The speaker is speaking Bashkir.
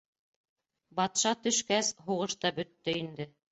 — Батша төшкәс, һуғыш та бөттө инде.